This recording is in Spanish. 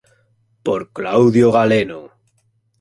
Por Claudio Galeno.